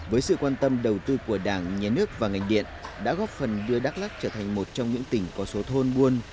với sự quan tâm đầu tư của đảng nhà nước và ngành điện đã góp phần đưa đắk lắc trở thành một trong những tỉnh có số thôn buôn